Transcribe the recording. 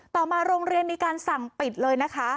ต่อมาโรงเรียนมีการสั่งปิดเลยนะคะ